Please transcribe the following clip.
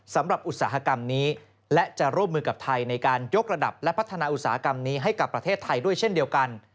อุตสาหกรรมนี้และจะร่วมมือกับไทยในการยกระดับและพัฒนาอุตสาหกรรมนี้ให้กับประเทศไทยด้วยเช่นเดียวกัน